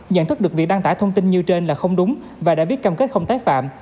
nhận thức được việc đăng tải thông tin như trên là không đúng và đã viết cam kết không tái phạm